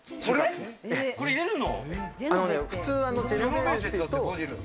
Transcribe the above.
これ入れるの？